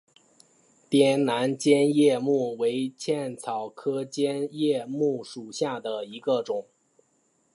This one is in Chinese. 滇南尖叶木为茜草科尖叶木属下的一个种。